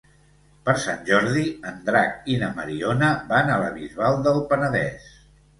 Per Sant Jordi en Drac i na Mariona van a la Bisbal del Penedès.